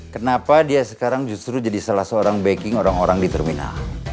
kenapa dia sekarang justru jadi salah seorang baking orang orang di terminal